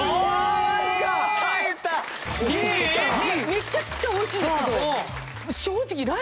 めちゃくちゃ美味しいんですけど正直。